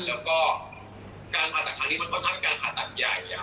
แล้วก็การผ่านตัดทางนี้มันก็ค่อนข้างเป็นการผ่านตัดใหญ่